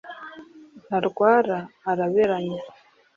Ntarwara: Araberanya